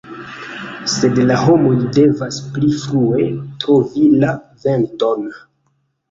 Sed la homoj devas pli frue trovi la venton”".